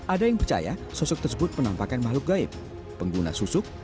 ada yang percaya sosok tersebut penampakan makhluk gaib pengguna susuk